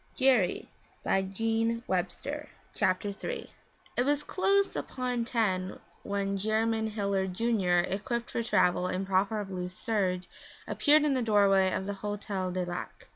At half past ten.' CHAPTER III It was close upon ten when Jerymn Hilliard, Jr., equipped for travel in proper blue serge, appeared in the doorway of the Hotel du Lac.